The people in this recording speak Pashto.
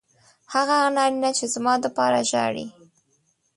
هغه نارینه چې زما دپاره ژاړي